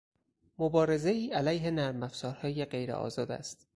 مبارزهای علیه نرمافزارهای غیر آزاد است